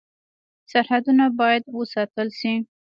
سرحدونه باید وساتل شي